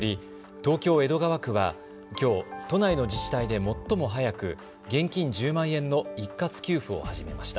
東京江戸川区はきょう都内の自治体で最も早く現金１０万円の一括給付を始めました。